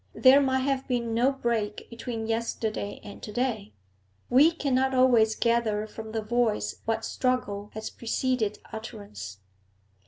There might have been no break between yesterday and to day. We cannot always gather from the voice what struggle has preceded utterance.